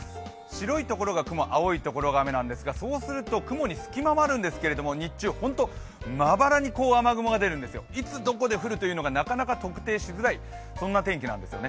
白いところが雲、青いところが雨なんですがそうすると雲に隙間があるんですけど、日中本当にまばらに雨雲が出るんです、いつ、どこで出るのかなかなか特定しづらい、そんな天気なんですよ。